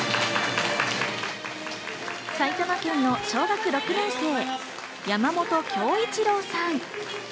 埼玉県の小学６年生・山本匡一郎さん。